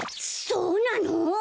そうなの！？